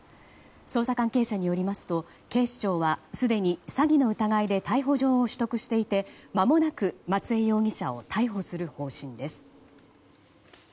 捜査関係者によりますと警視庁はすでに詐欺の疑いで逮捕状を取得していてまもなく松江容疑者を逮捕する方針です。